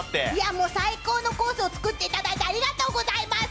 もう最高のコースを作っていただいてありがとうございます。